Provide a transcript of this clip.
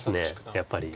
やっぱり。